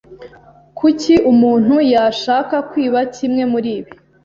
Kuki umuntu yashaka kwiba kimwe muribi?